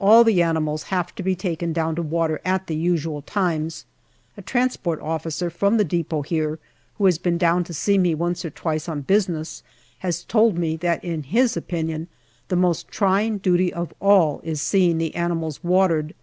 All the animals have to be taken down to water at the usual times. A Transport Officer from the depot here, who has been down to see me once or twice on business, has told me that in his opinion the most trying duty of all is seeing the animals watered.